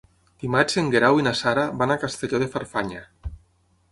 Dimarts en Guerau i na Sara van a Castelló de Farfanya.